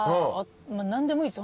何でもいいです